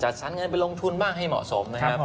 สรรเงินไปลงทุนบ้างให้เหมาะสมนะครับ